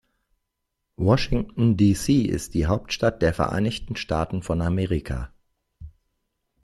Washington, D.C. ist die Hauptstadt der Vereinigten Staaten von Amerika.